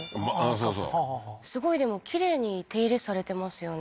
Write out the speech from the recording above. そうそうすごいでもきれいに手入れされてますよね